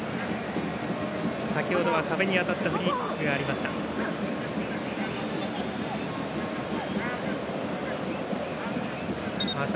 先ほどは壁に当たったフリーキックがありました。